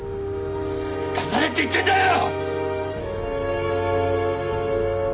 黙れって言ってんだよ！